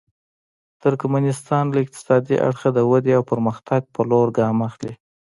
ترکمنستان له اقتصادي اړخه د ودې او پرمختګ په لور ګام اخلي.